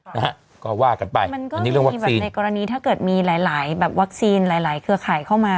นะฮะก็ว่ากันไปมันก็มีเรื่องว่ามีแบบในกรณีถ้าเกิดมีหลายหลายแบบวัคซีนหลายหลายเครือข่ายเข้ามา